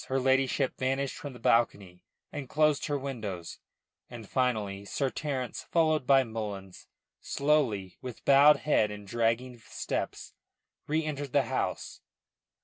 Her ladyship vanished from the balcony and closed her windows, and finally Sir Terence, followed by Mullins, slowly, with bowed head and dragging steps, reentered the house.